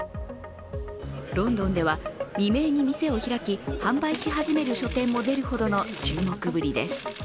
ロンドンでは未明に店を開き販売し始める書店も出始めるほどの注目ぶりです。